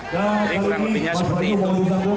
jadi kurang lebihnya seperti itu